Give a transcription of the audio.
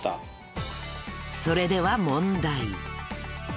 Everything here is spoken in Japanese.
［それでは問題］